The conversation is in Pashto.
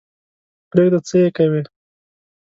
پرېږده څه یې کوې.